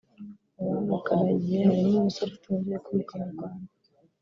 mu bamugaragiye harimo umusore ufite umubyeyi ukomoka mu Rwanda